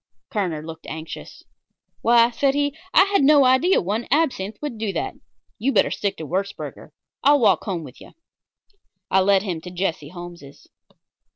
Kerner looked anxious. "Why," said he, "I had no idea one absinthe would do that. You'd better stick to Würzburger. I'll walk home with you." I led him to Jesse Holmes's.